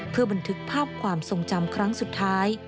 เพื่อบันทึกภาพความทรงจำครั้งสุดท้าย